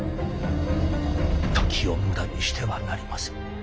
時を無駄にしてはなりません。